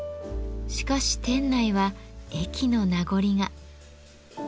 しかし店内は駅の名残が。